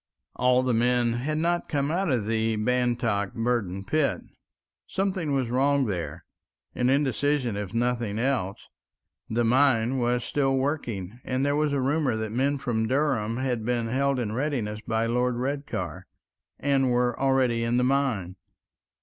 All the men had not come out of the Bantock Burden pit. Something was wrong there, an indecision if nothing else; the mine was still working, and there was a rumor that men from Durham had been held in readiness by Lord Redcar, and were already in the mine.